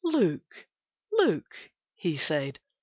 "Look! Look!" he said.